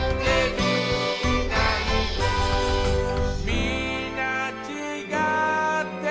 「みんなちがって、」